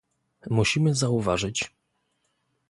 Musimy zauważyć